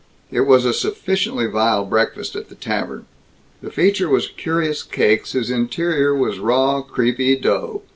It was a sufficiently vile breakfast, at the Tavern. The feature was curious cakes whose interior was raw creepy dough.